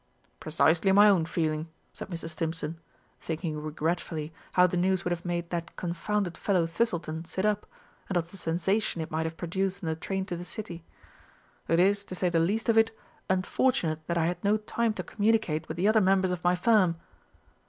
"Precisely my own feeling," said Mr. Stimpson, thinking regretfully how the news would have made that confounded fellow Thistleton sit up, and of the sensation it might have produced in the train to the City. "It is, to say the least of it, unfortunate that I had no time to communicate with the other members of my firm."